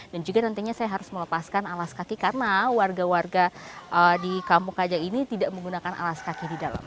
dan juga nantinya saya harus melepaskan alas kaki karena warga warga di kampung kajang ini tidak menggunakan alas kaki di dalam